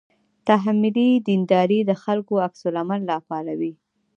تحمیلي دینداري د خلکو عکس العمل راپاروي.